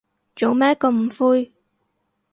做咩咁灰